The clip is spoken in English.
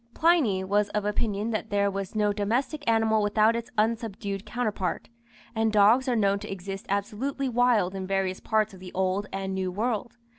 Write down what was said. Pliny was of opinion that there was no domestic animal without its unsubdued counterpart, and dogs are known to exist absolutely wild in various parts of the old and new world.